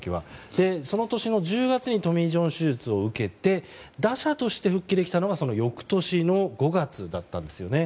その年の１０月にトミー・ジョン手術を受けて打者として復帰できたのはその翌年の５月だったんですね。